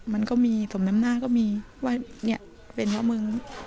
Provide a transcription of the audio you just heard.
มันก็มีสมน้ำหน้าก็มีว่าเนี่ยเป็นเพราะมึง